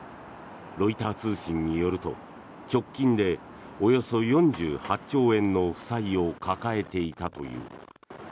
ロイター通信によると直近でおよそ４８兆円の負債を抱えていたという。